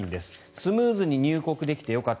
スムーズに入国できてよかった